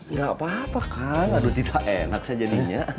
nggak apa apa kang aduh tidak enak sejadinya